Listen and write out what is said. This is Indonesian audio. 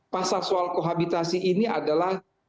pasal soal kohabitasi ini adalah